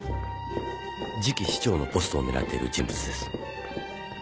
次期市長のポストを狙っている人物です。